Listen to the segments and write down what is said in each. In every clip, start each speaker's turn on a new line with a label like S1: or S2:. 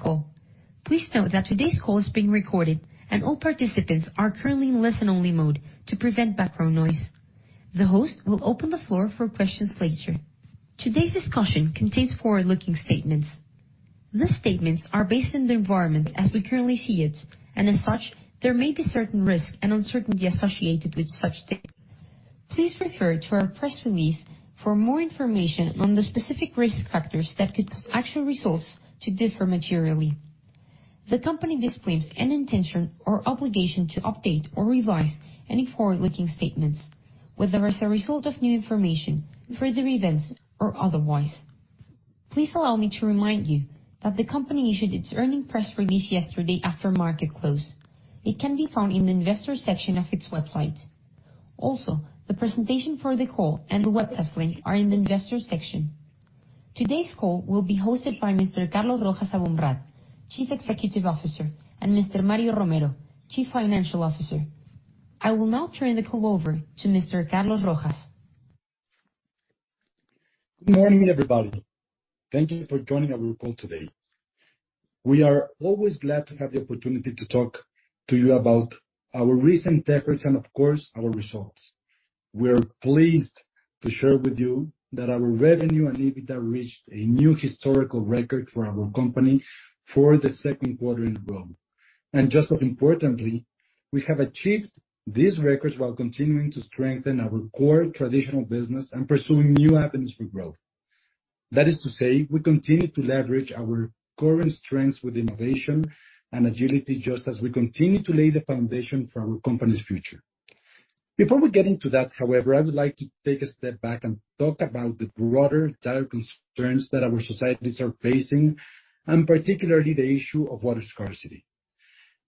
S1: Call. Please note that today's call is being recorded, and all participants are currently in listen-only mode to prevent background noise. The host will open the floor for questions later. Today's discussion contains forward-looking statements. These statements are based on the environment as we currently see it, and as such, there may be certain risks and uncertainty associated with such statements. Please refer to our press release for more information on the specific risk factors that could cause actual results to differ materially. The company disclaims any intention or obligation to update or revise any forward-looking statements, whether as a result of new information, further events or otherwise. Please allow me to remind you that the company issued its earnings press release yesterday after market close. It can be found in the investor section of its website. Also, the presentation for the call and the webcast link are in the investor section. Today's call will be hosted by Mr. Carlos Rojas Aboumrad, Chief Executive Officer, and Mr. Mario Romero, Chief Financial Officer. I will now turn the call over to Mr. Carlos Rojas.
S2: Good morning, everybody. Thank you for joining our call today. We are always glad to have the opportunity to talk to you about our recent efforts and, of course, our results. We are pleased to share with you that our revenue and EBITDA reached a new historical record for our company for the second quarter in a row. Just as importantly, we have achieved these records while continuing to strengthen our core traditional business and pursuing new avenues for growth. That is to say, we continue to leverage our current strengths with innovation and agility, just as we continue to lay the foundation for our company's future. Before we get into that, however, I would like to take a step back and talk about the broader dire concerns that our societies are facing, and particularly the issue of water scarcity.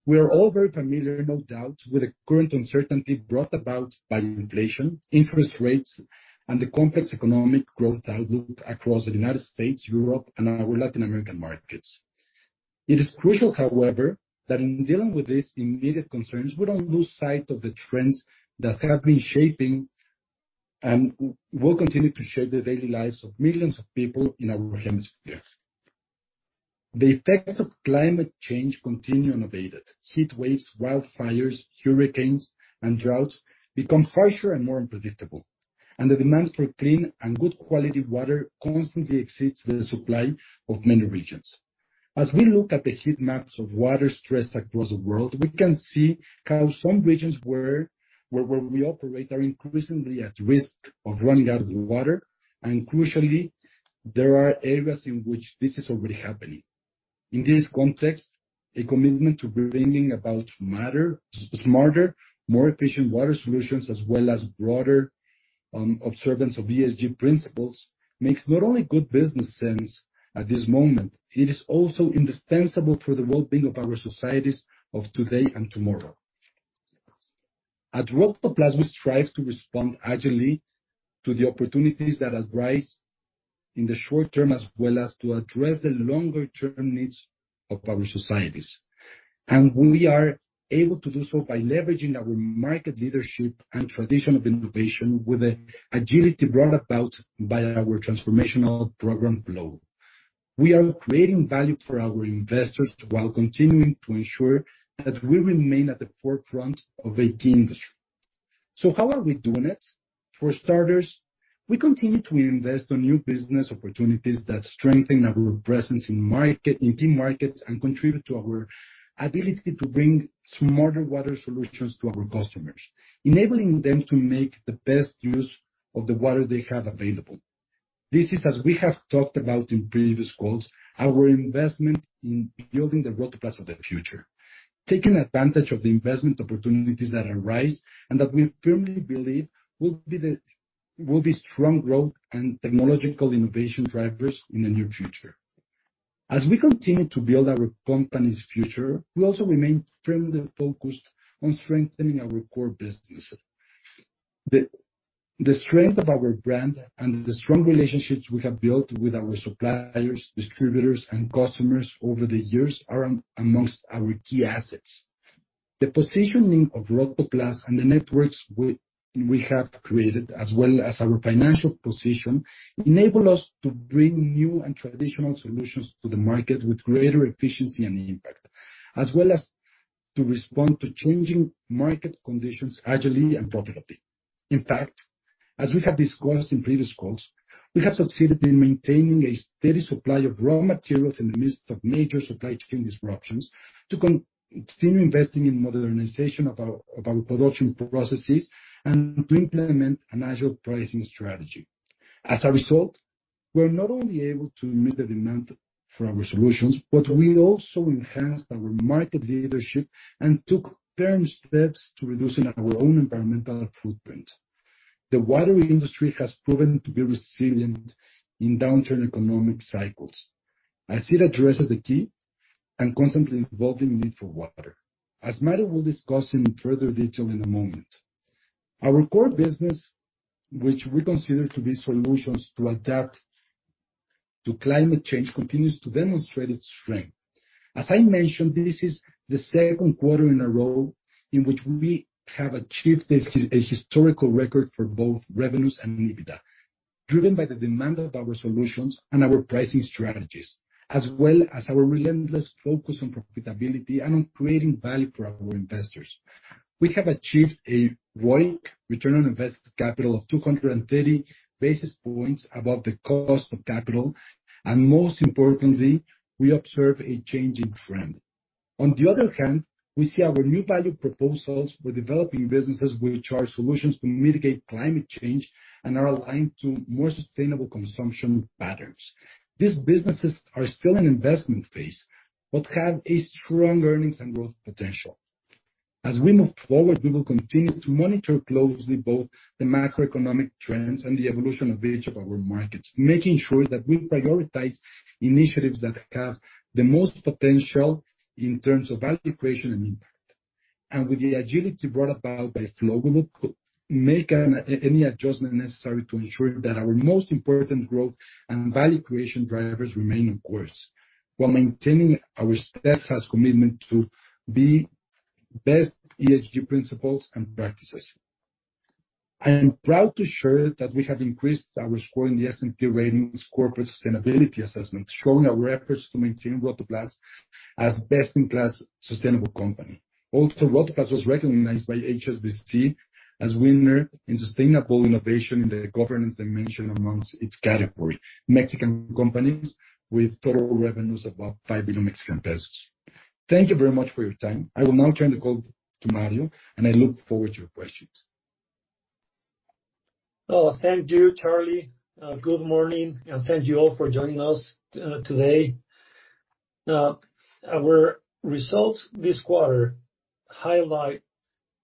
S2: We are all very familiar, no doubt, with the current uncertainty brought about by inflation, interest rates, and the complex economic growth outlook across the United States, Europe, and our Latin American markets. It is crucial, however, that in dealing with these immediate concerns, we don't lose sight of the trends that have been shaping and will continue to shape the daily lives of millions of people in our hemisphere. The effects of climate change continue unabated. Heatwaves, wildfires, hurricanes, and droughts become harsher and more unpredictable, and the demand for clean and good quality water constantly exceeds the supply of many regions. As we look at the heat maps of water stress across the world, we can see how some regions where we operate are increasingly at risk of running out of water. Crucially, there are areas in which this is already happening. In this context, a commitment to bringing about smarter, more efficient water solutions, as well as broader observance of ESG principles, makes not only good business sense at this moment. It is also indispensable for the well-being of our societies of today and tomorrow. At Rotoplas, we strive to respond agilely to the opportunities that arise in the short term, as well as to address the longer-term needs of our societies. We are able to do so by leveraging our market leadership and tradition of innovation with the agility brought about by our transformational program, Flow. We are creating value for our investors while continuing to ensure that we remain at the forefront of a key industry. How are we doing it? For starters, we continue to invest on new business opportunities that strengthen our presence in key markets, and contribute to our ability to bring smarter water solutions to our customers, enabling them to make the best use of the water they have available. This is, as we have talked about in previous calls, our investment in building the Rotoplas of the future, taking advantage of the investment opportunities that arise and that we firmly believe will be strong growth and technological innovation drivers in the near future. As we continue to build our company's future, we also remain firmly focused on strengthening our core business. The strength of our brand and the strong relationships we have built with our suppliers, distributors, and customers over the years are among our key assets. The positioning of Rotoplas and the networks we have created, as well as our financial position, enable us to bring new and traditional solutions to the market with greater efficiency and impact, as well as to respond to changing market conditions agilely and profitably. In fact, as we have discussed in previous calls, we have succeeded in maintaining a steady supply of raw materials in the midst of major supply chain disruptions to continue investing in modernization of our production processes and to implement an agile pricing strategy. As a result, we're not only able to meet the demand for our solutions, but we also enhanced our market leadership and took firm steps to reducing our own environmental footprint. The water industry has proven to be resilient in downturn economic cycles as it addresses the key and constantly evolving need for water, as Mario will discuss in further detail in a moment. Our core business, which we consider to be solutions to adapt to climate change, continues to demonstrate its strength. As I mentioned, this is the second quarter in a row in which we have achieved a historical record for both revenues and EBITDA, driven by the demand of our solutions and our pricing strategies, as well as our relentless focus on profitability and on creating value for our investors. We have achieved a ROIC return on invested capital of 230 basis points above the cost of capital, and most importantly, we observe a changing trend. On the other hand, we see our new value proposals for developing businesses which are solutions to mitigate climate change and are aligned to more sustainable consumption patterns. These businesses are still in investment phase, but have a strong earnings and growth potential. As we move forward, we will continue to monitor closely both the macroeconomic trends and the evolution of each of our markets, making sure that we prioritize initiatives that have the most potential in terms of value creation and impact. With the agility brought about by Flow, we will make any adjustment necessary to ensure that our most important growth and value creation drivers remain on course while maintaining our steadfast commitment to the best ESG principles and practices. I am proud to share that we have increased our score in the S&P Global Corporate Sustainability Assessment, showing our efforts to maintain Rotoplas as best-in-class sustainable company. Also, Rotoplas was recognized by HSBC as winner in sustainable innovation in the governance dimension among its category, Mexican companies with total revenues above 5 billion Mexican pesos. Thank you very much for your time. I will now turn the call to Mario, and I look forward to your questions.
S3: Oh, thank you, Charlie. Good morning, and thank you all for joining us today. Our results this quarter highlight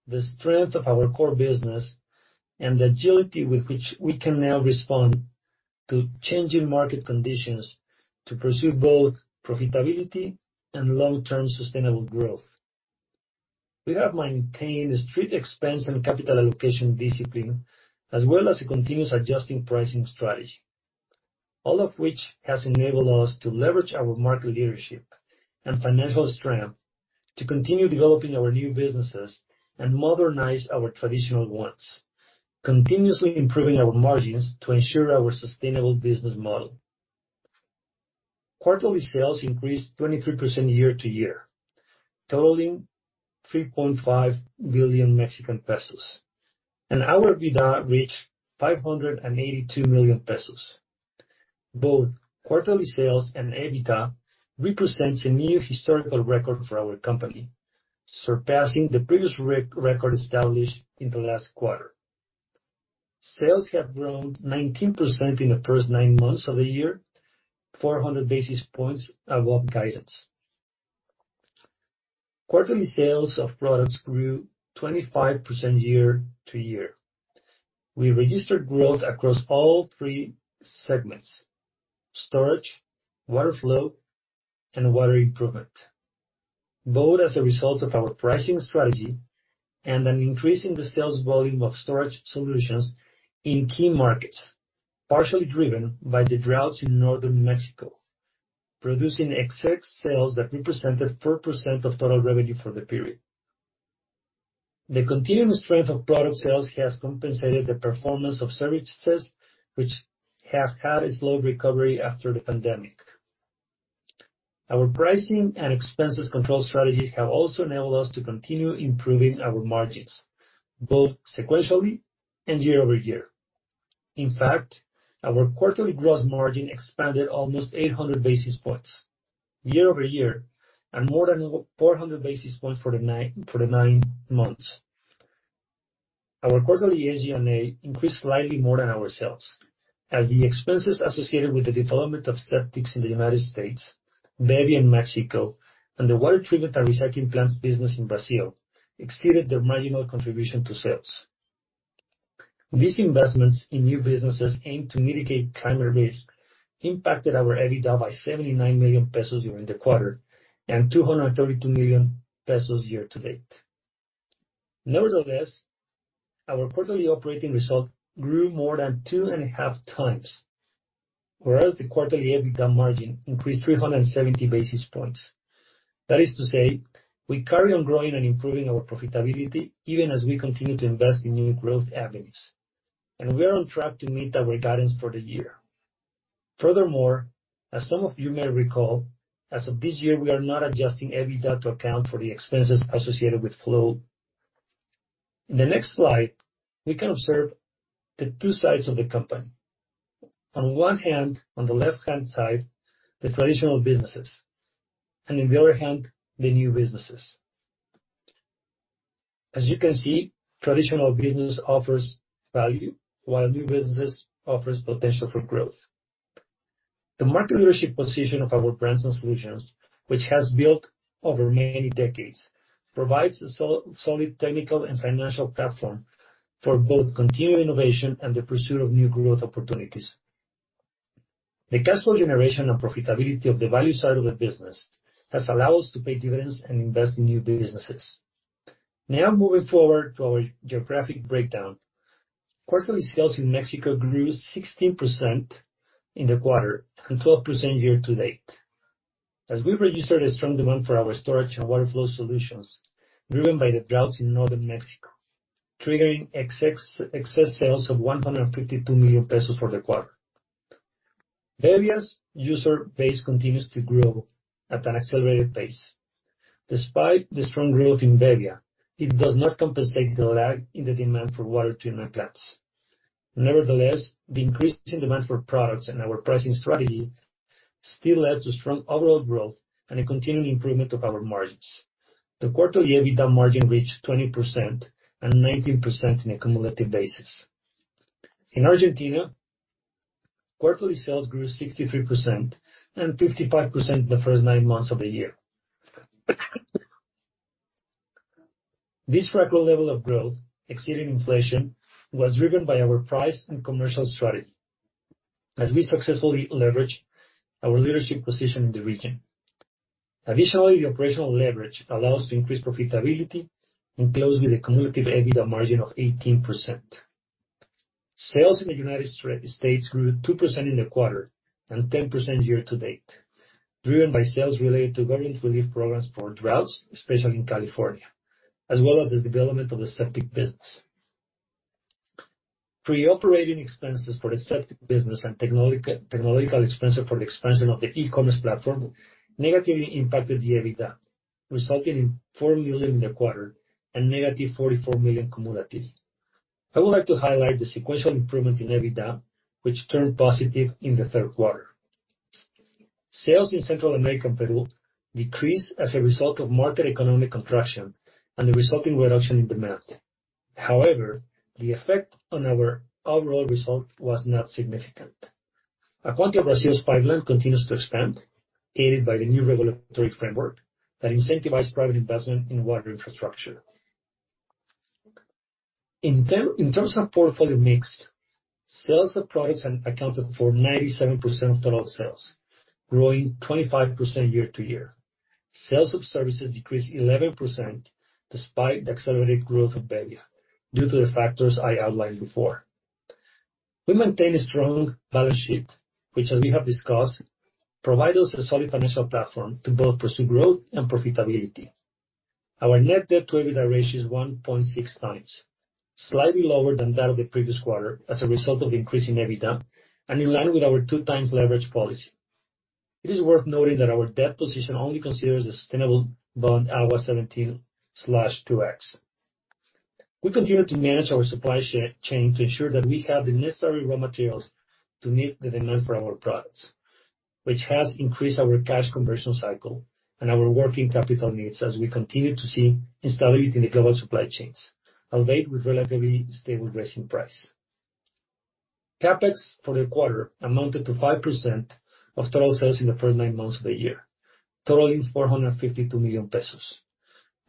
S3: the strength of our core business and the agility with which we can now respond to changing market conditions to pursue both profitability and long-term sustainable growth. We have maintained strict expense and capital allocation discipline, as well as a continuous adjusting pricing strategy, all of which has enabled us to leverage our market leadership and financial strength to continue developing our new businesses and modernize our traditional ones, continuously improving our margins to ensure our sustainable business model. Quarterly sales increased 23% year-to-year, totaling 3.5 billion Mexican pesos, and our EBITDA reached 582 million pesos. Both quarterly sales and EBITDA represents a new historical record for our company, surpassing the previous record established in the last quarter. Sales have grown 19% in the first 9 months of the year, 400 basis points above guidance. Quarterly sales of products grew 25% year-over-year. We registered growth across all three segments, storage, water flow, and water improvement, both as a result of our pricing strategy and an increase in the sales volume of storage solutions in key markets, partially driven by the droughts in Northern Mexico, producing excess sales that represented 4% of total revenue for the period. The continuing strength of product sales has compensated the performance of services, which have had a slow recovery after the pandemic. Our pricing and expenses control strategies have also enabled us to continue improving our margins, both sequentially and year-over-year. In fact, our quarterly gross margin expanded almost 800 basis points year-over-year and more than 400 basis points for the 9 months. Our quarterly SG&A increased slightly more than our sales, as the expenses associated with the development of septics in the United States, bebbia in Mexico, and the water treatment and recycling plants business in Brazil exceeded their marginal contribution to sales. These investments in new businesses aimed to mitigate climate risk impacted our EBITDA by 79 million pesos during the quarter and 232 million pesos year-to-date. Nevertheless, our quarterly operating result grew more than two and a half times, whereas the quarterly EBITDA margin increased 370 basis points. That is to say, we carry on growing and improving our profitability even as we continue to invest in new growth avenues, and we are on track to meet our guidance for the year. Furthermore, as some of you may recall, as of this year, we are not adjusting EBITDA to account for the expenses associated with Flow. In the next slide, we can observe the two sides of the company. On one hand, on the left-hand side, the traditional businesses, and on the other hand, the new businesses. As you can see, traditional business offers value, while new businesses offers potential for growth. The market leadership position of our brands and solutions, which has built over many decades, provides a solid technical and financial platform for both continued innovation and the pursuit of new growth opportunities. The cash flow generation and profitability of the value side of the business has allowed us to pay dividends and invest in new businesses. Now moving forward to our geographic breakdown. Quarterly sales in Mexico grew 16% in the quarter and 12% year-to-date, as we registered a strong demand for our storage and water flow solutions, driven by the droughts in northern Mexico, triggering excess sales of 152 million pesos for the quarter. Bebbia's user base continues to grow at an accelerated pace. Despite the strong growth in bebbia, it does not compensate the lag in the demand for water treatment plants. Nevertheless, the increasing demand for products and our pricing strategy still led to strong overall growth and a continued improvement of our margins. The quarterly EBITDA margin reached 20% and 19% on a cumulative basis. In Argentina, quarterly sales grew 63% and 55% in the first nine months of the year. This record level of growth exceeding inflation was driven by our price and commercial strategy as we successfully leveraged our leadership position in the region. Additionally, operational leverage allows to increase profitability and close with a cumulative EBITDA margin of 18%. Sales in the United States grew 2% in the quarter and 10% year to date, driven by sales related to government relief programs for droughts, especially in California, as well as the development of the septic business. Pre-operating expenses for the septic business and technological expenses for the expansion of the e-commerce platform negatively impacted the EBITDA, resulting in 4 million in the quarter and negative 44 million cumulative. I would like to highlight the sequential improvement in EBITDA, which turned positive in the third quarter. Sales in Central America and Peru decreased as a result of market economic contraction and the resulting reduction in demand. However, the effect on our overall result was not significant. Acquaint Brazil's pipeline continues to expand, aided by the new regulatory framework that incentivized private investment in water infrastructure. In terms of portfolio mix, sales of products accounted for 97% of total sales, growing 25% year-over-year. Sales of services decreased 11% despite the accelerated growth of bebbia due to the factors I outlined before. We maintain a strong balance sheet, which as we have discussed, provide us a solid financial platform to both pursue growth and profitability. Our net debt to EBITDA ratio is 1.6x, slightly lower than that of the previous quarter as a result of the increase in EBITDA and in line with our 2x leverage policy. It is worth noting that our debt position only considers the sustainable bond AGUA 17-2X. We continue to manage our supply chain to ensure that we have the necessary raw materials to meet the demand for our products, which has increased our cash conversion cycle and our working capital needs as we continue to see instability in the global supply chains, albeit with relatively stable resin price. CapEx for the quarter amounted to 5% of total sales in the first nine months of the year, totaling 452 million pesos.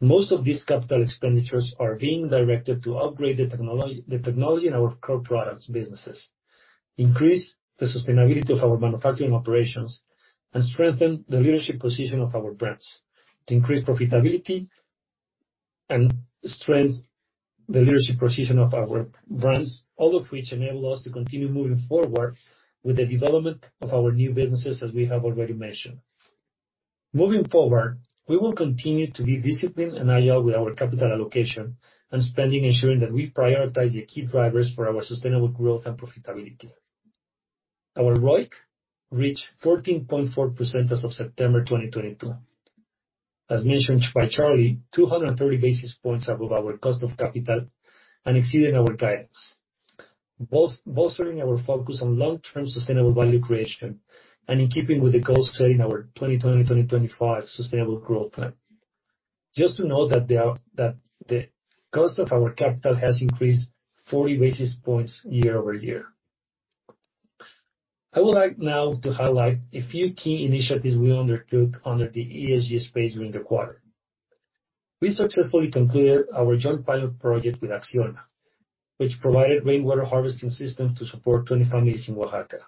S3: Most of these capital expenditures are being directed to upgrade the technology in our core products businesses, increase the sustainability of our manufacturing operations, and strengthen the leadership position of our brands to increase profitability and strengthen the leadership position of our brands, all of which enable us to continue moving forward with the development of our new businesses, as we have already mentioned. Moving forward, we will continue to be disciplined and agile with our capital allocation and spending, ensuring that we prioritize the key drivers for our sustainable growth and profitability. Our ROIC reached 14.4% as of September 2022. As mentioned by Charlie, 230 basis points above our cost of capital and exceeding our guidance, bolstering our focus on long-term sustainable value creation and in keeping with the goals set in our 2020-2025 sustainable growth plan. Just to note that the cost of our capital has increased 40 basis points year-over-year. I would like now to highlight a few key initiatives we undertook under the ESG space during the quarter. We successfully concluded our joint pilot project with Acciona, which provided rainwater harvesting systems to support 20 families in Oaxaca.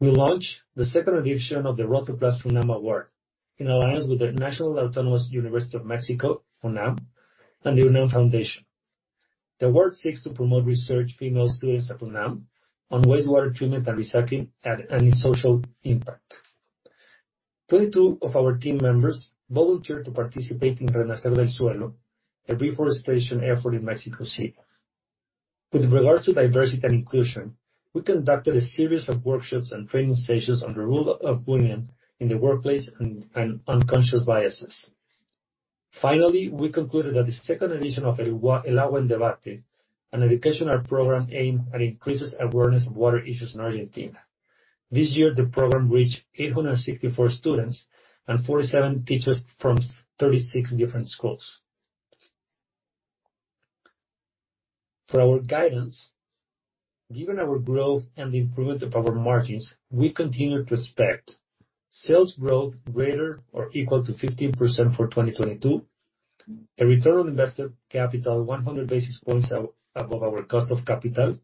S3: We launched the second edition of the Rotoplas-FUNAM Award in alliance with the National Autonomous University of Mexico, FUNAM, and the UNAM Foundation. The award seeks to promote research for female students at FUNAM on wastewater treatment and recycling and its social impact. 22 of our team members volunteered to participate in Renacer del Suelo, a reforestation effort in Mexico City. With regards to diversity and inclusion, we conducted a series of workshops and training sessions on the role of women in the workplace and unconscious biases. Finally, we concluded that the second edition of El Agua en Debate, an educational program aimed at increasing awareness of water issues in Argentina. This year, the program reached 864 students and 47 teachers from thirty-six different schools. For our guidance, given our growth and the improvement of our margins, we continue to expect sales growth greater or equal to 15% for 2022, a return on invested capital 100 basis points above our cost of capital.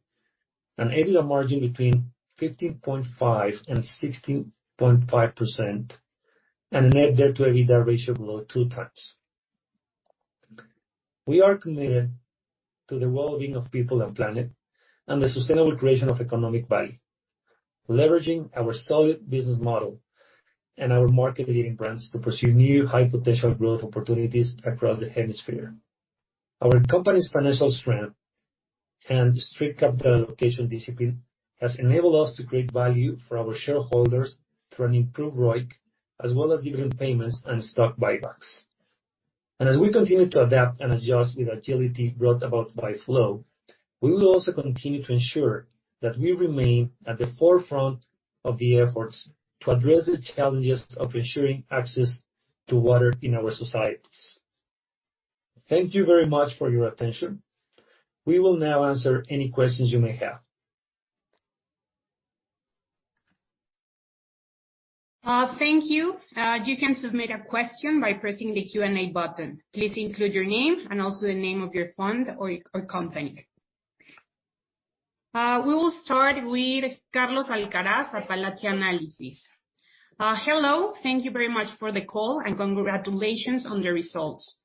S3: An EBITDA margin between 15.5% and 16.5%, and a net debt to EBITDA ratio below 2x. We are committed to the well-being of people and planet, and the sustainable creation of economic value, leveraging our solid business model and our market-leading brands to pursue new high-potential growth opportunities across the hemisphere. Our company's financial strength and strict capital allocation discipline has enabled us to create value for our shareholders through an improved ROIC, as well as dividend payments and stock buybacks. As we continue to adapt and adjust with agility brought about by Flow, we will also continue to ensure that we remain at the forefront of the efforts to address the challenges of ensuring access to water in our societies. Thank you very much for your attention. We will now answer any questions you may have.
S4: Thank you. You can submit a question by pressing the Q&A button. Please include your name and also the name of your fund or company. We will start with Carlos Alcaraz at Apalache Análisis. Hello. Thank you very much for the call, and congratulations on the results.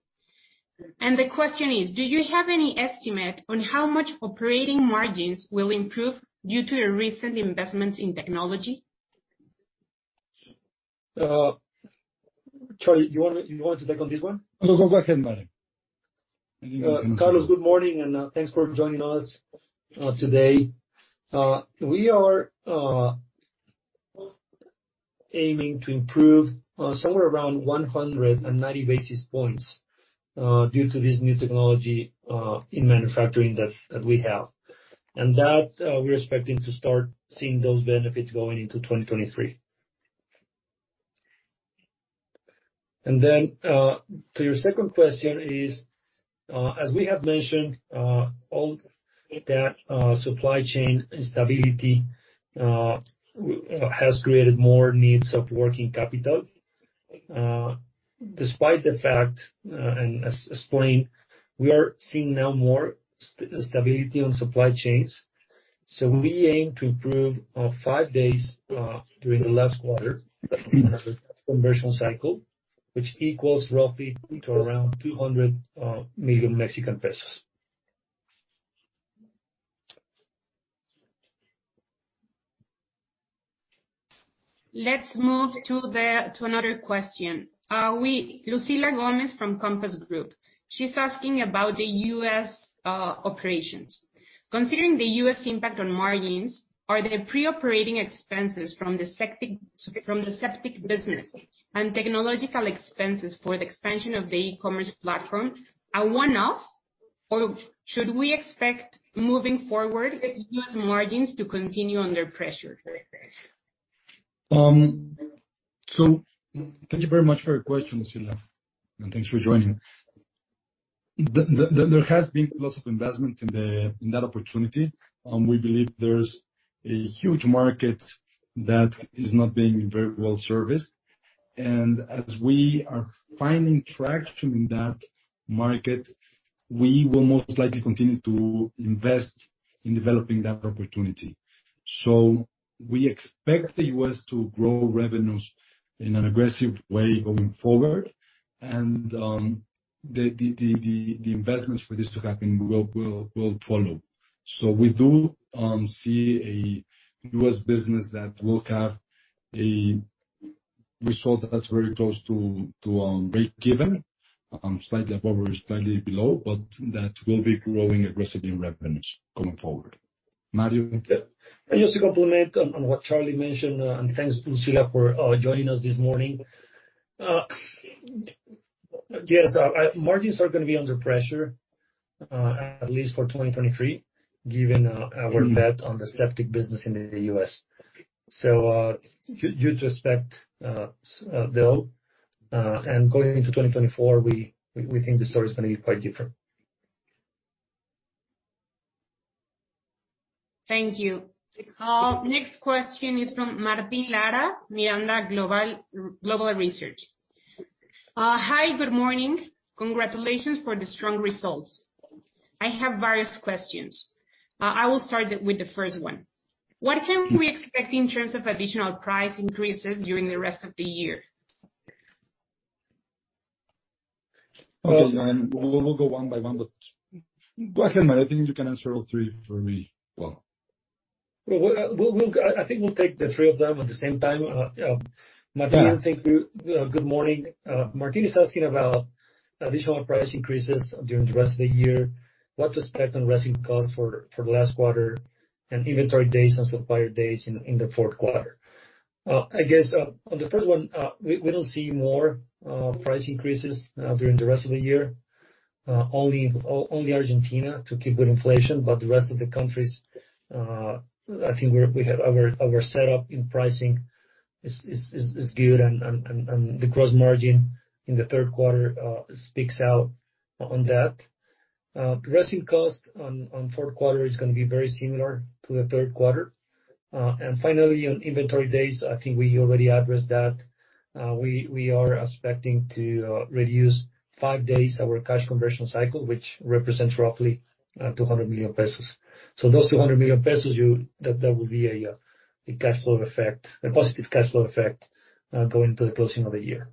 S4: The question is: Do you have any estimate on how much operating margins will improve due to your recent investments in technology?
S3: Charlie, you want to take on this one?
S2: No, go ahead, Mario.
S3: Carlos, good morning, and thanks for joining us today. We are aiming to improve somewhere around 190 basis points due to this new technology in manufacturing that we have. That we're expecting to start seeing those benefits going into 2023. To your second question is as we have mentioned all that supply chain instability has created more needs of working capital. Despite the fact and as explained, we are seeing now more stability on supply chains. We aim to improve 5 days during the last quarter conversion cycle, which equals roughly to around 200 million Mexican pesos.
S4: Let's move to another question. Lucila Gomez from Compass Group. She's asking about the US operations. Considering the US impact on margins, are the pre-operating expenses from the septic business and technological expenses for the expansion of the e-commerce platform one-off, or should we expect moving forward US margins to continue under pressure?
S2: Thank you very much for your question, Lucila, and thanks for joining. There has been lots of investment in that opportunity. We believe there's a huge market that is not being very well serviced. As we are finding traction in that market, we will most likely continue to invest in developing that opportunity. We expect the US to grow revenues in an aggressive way going forward. The investments for this to happen will follow. We do see a US business that will have a result that's very close to breakeven, slightly above or slightly below, but that will be growing aggressively in revenues going forward. Mario?
S3: Yeah. Just to comment on what Charlie mentioned, and thanks, Lucila, for joining us this morning. Yes, margins are gonna be under pressure, at least for 2023, given our bet on the septic business in the U.S. You'd expect though. Going into 2024, we think the story is gonna be quite different.
S4: Thank you. Next question is from Martín Lara, Miranda Global Research. Hi, good morning. Congratulations for the strong results. I have various questions. I will start with the first one. What can we expect in terms of additional price increases during the rest of the year?
S2: Okay. We'll go one by one. Go ahead, Mario. I think you can answer all three very well.
S3: I think we'll take the three of them at the same time. Martín-
S2: Yeah.
S3: Thank you. Good morning. Martín is asking about additional price increases during the rest of the year, what to expect on resin costs for the last quarter, and inventory days and supplier days in the fourth quarter. I guess on the first one, we don't see more price increases during the rest of the year, only Argentina to keep with inflation. The rest of the countries, I think we have our setup in pricing is good and the gross margin in the third quarter speaks out on that. Resin cost on fourth quarter is gonna be very similar to the third quarter. Finally on inventory days, I think we already addressed that. We are expecting to reduce 5 days our cash conversion cycle, which represents roughly 200 million pesos. Those 200 million pesos, that will be a cash flow effect, a positive cash flow effect, going to the closing of the year.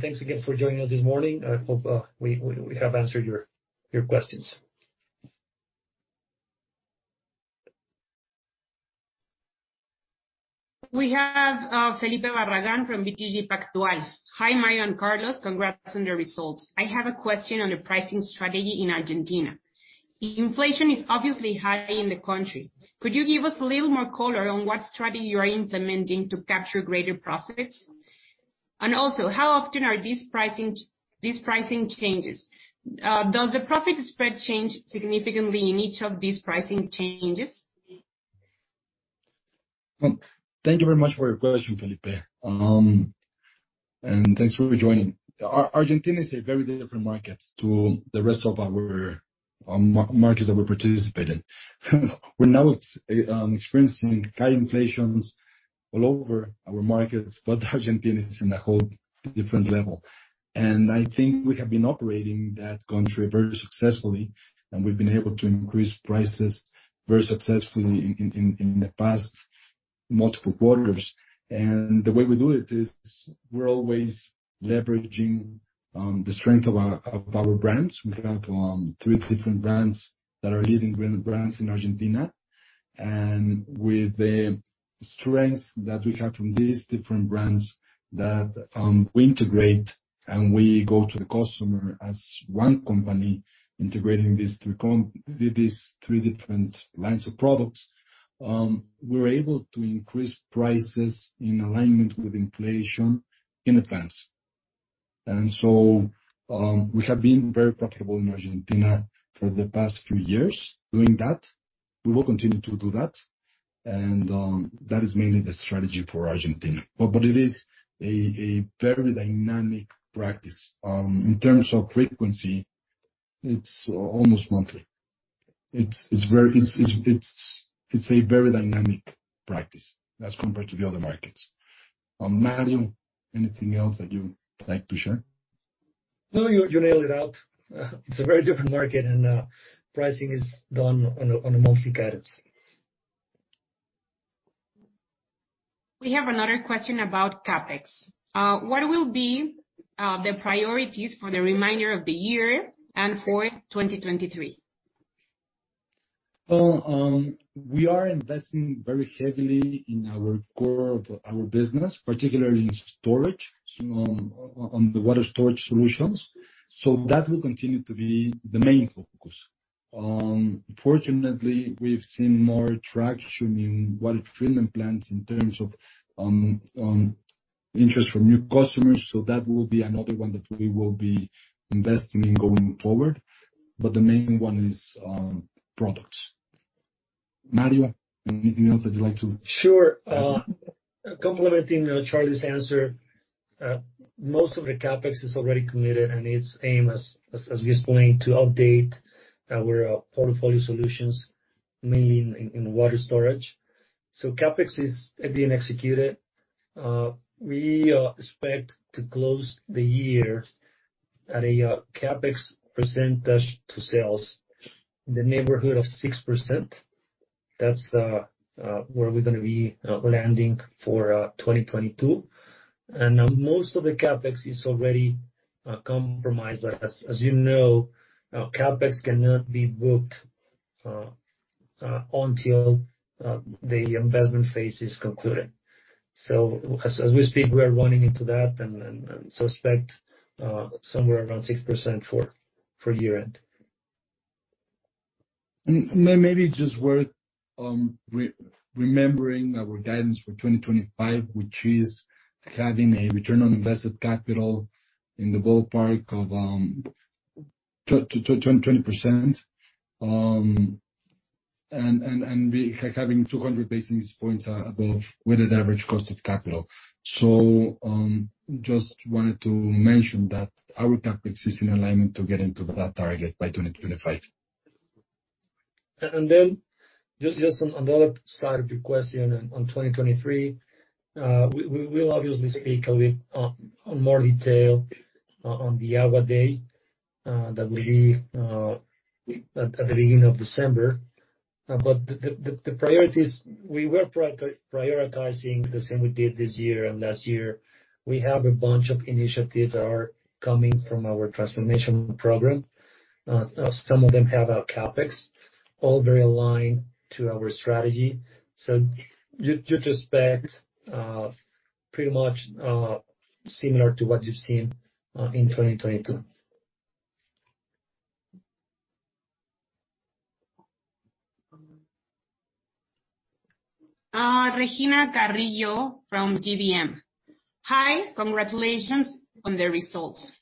S3: Thanks again for joining us this morning. I hope we have answered your questions.
S4: We have Felipe Barragán from BTG Pactual. Hi, Mario and Carlos. Congrats on the results. I have a question on the pricing strategy in Argentina. Inflation is obviously high in the country. Could you give us a little more color on what strategy you are implementing to capture greater profits? Also, how often are these pricing changes? Does the profit spread change significantly in each of these pricing changes?
S2: Thank you very much for your question, Felipe. Thanks for rejoining. Argentina is a very different market to the rest of our markets that we participate in. We're now experiencing high inflation all over our markets, but Argentina is in a whole different level. I think we have been operating in that country very successfully, and we've been able to increase prices very successfully in the past multiple quarters. The way we do it is we're always leveraging the strength of our brands. We have three different brands that are leading brands in Argentina. With the strength that we have from these different brands that we integrate and we go to the customer as one company integrating these three different lines of products, we're able to increase prices in alignment with inflation in advance. We have been very profitable in Argentina for the past few years doing that. We will continue to do that, and that is mainly the strategy for Argentina. It is a very dynamic practice. In terms of frequency, it's almost monthly. It's a very dynamic practice as compared to the other markets. Mario, anything else that you would like to share?
S3: No, you nailed it out. It's a very different market, and pricing is done on a monthly guidance.
S4: We have another question about CapEx. What will be the priorities for the remainder of the year and for 2023?
S2: Well, we are investing very heavily in our core of our business, particularly in storage, on the water storage solutions. That will continue to be the main focus. Fortunately, we've seen more traction in water treatment plants in terms of interest from new customers, so that will be another one that we will be investing in going forward. The main one is products. Mario, anything else that you'd like to-
S3: Sure. Complementing Charlie's answer, most of the CapEx is already committed, and its aim is, as we explained, to update our portfolio solutions, mainly in water storage. CapEx is being executed. We expect to close the year at a CapEx percentage to sales in the neighborhood of 6%. That's where we're gonna be landing for 2022. Most of the CapEx is already compromised. As you know, CapEx cannot be booked until the investment phase is concluded. As we speak, we are running into that and expect somewhere around 6% for year-end.
S2: Maybe just worth remembering our guidance for 2025, which is having a return on invested capital in the ballpark of 20%. And we like having 200 basis points above weighted average cost of capital. Just wanted to mention that our CapEx is in alignment to get into that target by 2025.
S3: Just on the other side of your question on 2023, we will obviously speak a bit on more detail on the AGUA Day that will be at the beginning of December. The priorities we were prioritizing the same we did this year and last year. We have a bunch of initiatives that are coming from our transformation program. Some of them have our CapEx, all very aligned to our strategy. You'd expect pretty much similar to what you've seen in 2022.
S4: Regina Carrillo from GBM. Hi, congratulations on the results.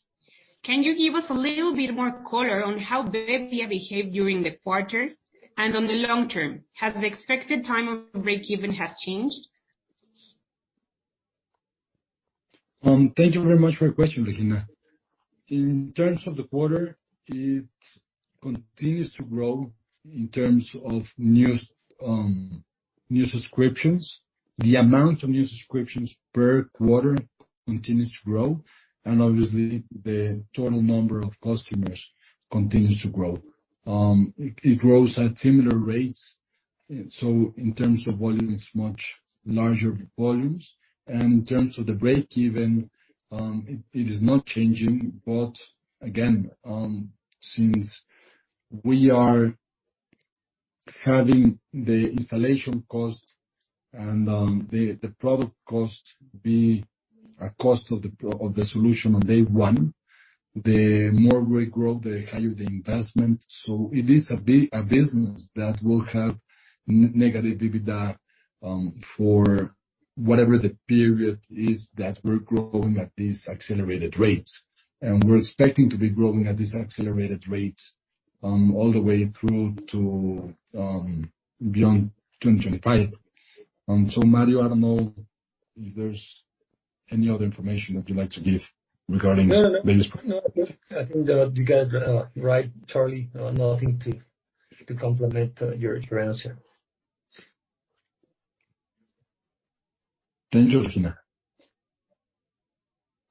S4: Can you give us a little bit more color on how bebbia behaved during the quarter and on the long term? Has the expected time of break-even has changed?
S2: Thank you very much for your question, Regina. In terms of the quarter, it continues to grow in terms of new subscriptions. The amount of new subscriptions per quarter continues to grow, and obviously the total number of customers continues to grow. It grows at similar rates, so in terms of volume, it's much larger volumes. In terms of the breakeven, it is not changing. But again, since we are having the installation cost and the product cost be a cost of the solution on day one, the more rate growth, the higher the investment. It is a business that will have negative EBITDA for whatever the period is that we're growing at these accelerated rates. We're expecting to be growing at these accelerated rates all the way through to beyond 2025. Mario, I don't know if there's any other information that you'd like to give regarding the business.
S3: No, no. I think you got it right, Charlie. Nothing to complement your answer.
S2: Thank you, Regina.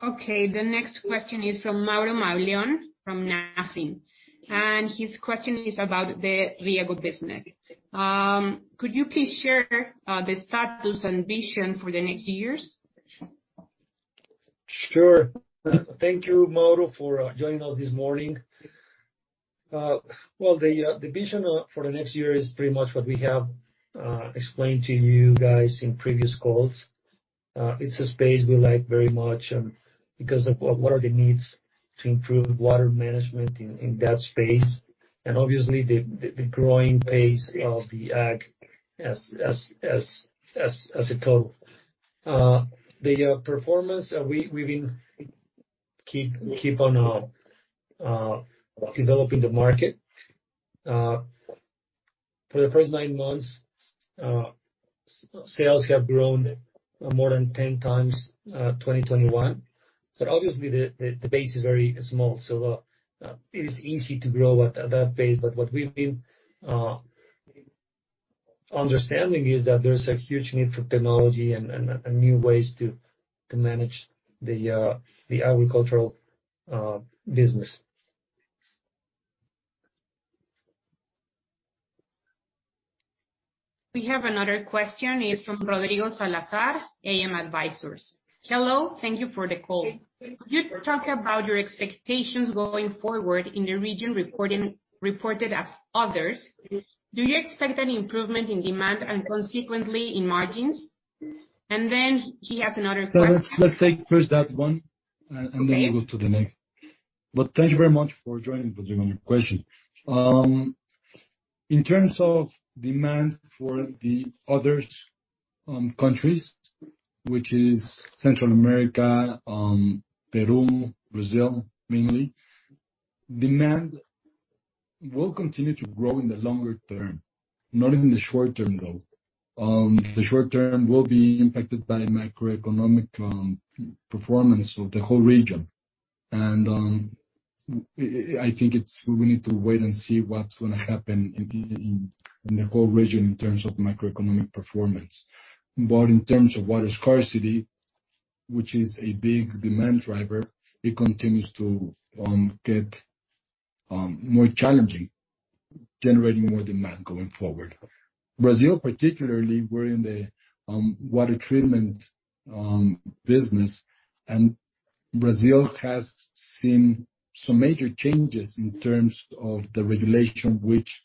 S4: Okay. The next question is from Mauro Mauleón from Nafin, and his question is about the Riego business. Could you please share the status and vision for the next years?
S3: Sure. Thank you, Mauro, for joining us this morning. Well, the vision for the next year is pretty much what we have explained to you guys in previous calls. It's a space we like very much, because of what are the needs to improve water management in that space, and obviously the growing pace of the ag as a total. The performance we've been keep on developing the market. For the first nine months, sales have grown more than 10 times 2021, but obviously the base is very small, so it is easy to grow at that pace. What we've been understanding is that there's a huge need for technology and new ways to manage the agricultural business.
S4: We have another question. It's from Rodrigo Salazar, AM Advisors. Hello. Thank you for the call. You talk about your expectations going forward in the region reporting, reported as others. Do you expect any improvement in demand and consequently in margins? He has another question.
S2: No, let's take first that one.
S4: Okay.
S2: Thank you very much for joining, Rodrigo, on your question. In terms of demand for the other countries, which is Central America, Peru, Brazil, mainly, demand will continue to grow in the longer term, not in the short term, though. The short term will be impacted by macroeconomic performance of the whole region. I think we need to wait and see what's gonna happen in the whole region in terms of macroeconomic performance. In terms of water scarcity, which is a big demand driver, it continues to get more challenging, generating more demand going forward. Brazil particularly, we're in the water treatment business, and Brazil has seen some major changes in terms of the regulation which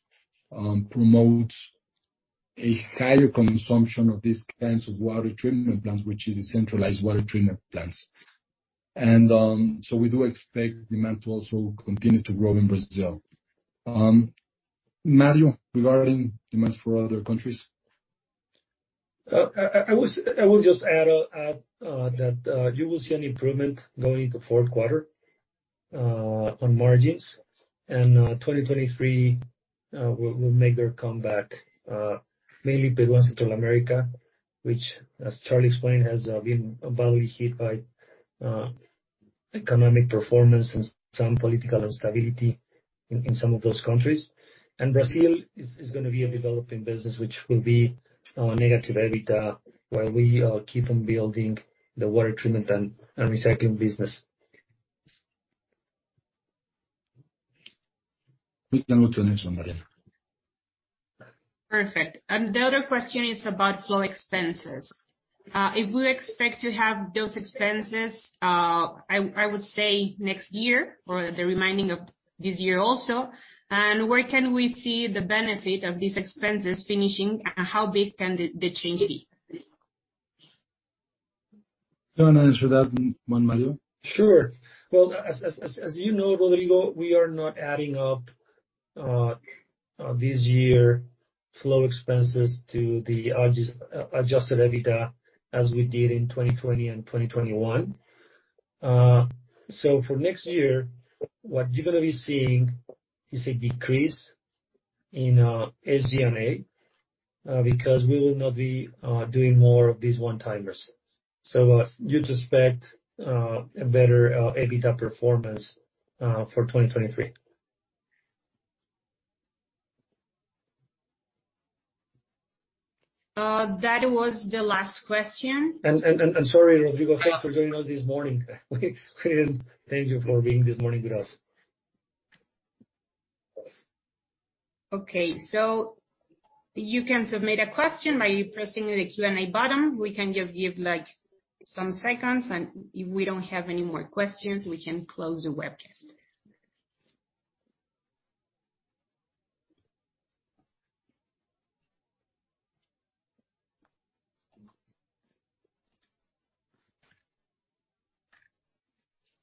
S2: promotes a higher consumption of these kinds of water treatment plants, which is the centralized water treatment plants. We do expect demand to also continue to grow in Brazil. Mario, regarding demand for other countries.
S3: I will just add that you will see an improvement going into fourth quarter on margins, and 2023 will make their comeback. Mainly Peru and Central America, which, as Charlie explained, has been badly hit by economic performance and some political instability in some of those countries. Brazil is gonna be a developing business which will be negative EBITDA while we keep on building the water treatment and recycling business.
S2: You can go to the next one, Maria.
S4: Perfect. The other question is about Flow expenses. If we expect to have those expenses, I would say next year or the remaining of this year also, and where can we see the benefit of these expenses finishing, and how big can the change be?
S2: You wanna answer that one, Mario?
S3: Sure. Well, as you know, Rodrigo, we are not adding up this year Flow expenses to the adjusted EBITDA as we did in 2020 and 2021. For next year, what you're gonna be seeing is a decrease in SG&A because we will not be doing more of these one-timers. You'd expect a better EBITDA performance for 2023.
S4: That was the last question.
S2: Sorry, Rodrigo. Thanks for joining us this morning. Thank you for being this morning with us.
S4: Okay. You can submit a question by pressing the Q&A button. We can just give, like, some seconds, and if we don't have any more questions, we can close the webcast.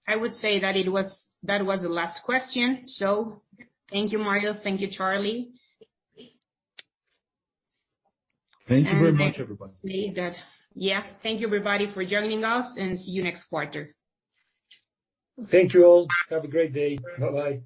S4: I would say that it was the last question. Thank you, Mario. Thank you, Charlie.
S2: Thank you very much, everybody.
S4: Thank you, everybody, for joining us, and see you next quarter.
S3: Thank you all. Have a great day. Bye-bye.